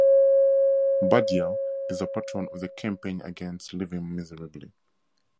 Baddiel is a patron of the "Campaign Against Living Miserably".